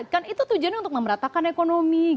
kan itu tujuannya untuk memeratakan ekonomi